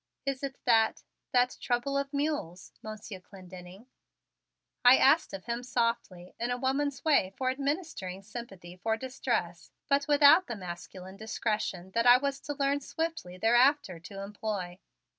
"Is it that that trouble of mules, Monsieur Clendenning?" I asked of him softly in a woman's way for administering sympathy for distress but without the masculine discretion that I was to learn swiftly thereafter to employ.